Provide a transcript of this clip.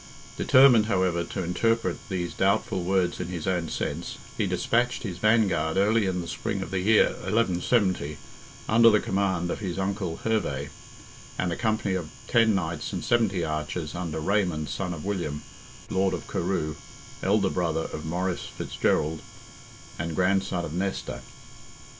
Determined, however, to interpret these doubtful words in his own sense, he despatched his vanguard early in the spring of the year 1170, under the command of his uncle Herve and a company of 10 knights and 70 archers, under Raymond, son of William, lord of Carew, elder brother of Maurice Fitzgerald, and grandson of Nesta.